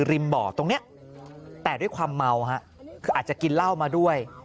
บ่อตรงนี้แต่ด้วยความเมาฮะคืออาจจะกินเหล้ามาด้วย